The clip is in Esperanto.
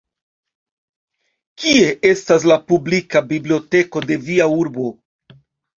Kie estas la publika biblioteko de via urbo?